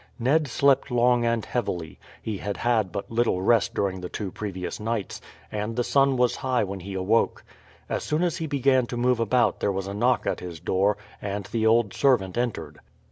Ned slept long and heavily; he had had but little rest during the two previous nights, and the sun was high when he awoke. As soon as he began to move about there was a knock at his door, and the old servant entered.